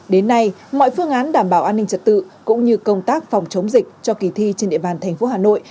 đến nay mọi phương án đảm bảo an ninh trật tự cũng như công tác phòng chống dịch cho kỳ thi trên địa bàn thành phố hà nội